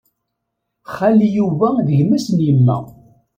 Xali Yuba d gma-s n yemma.